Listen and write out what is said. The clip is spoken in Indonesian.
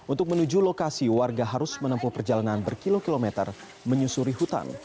untuk menuju lokasi warga harus menempuh perjalanan berkilo kilometer menyusuri hutan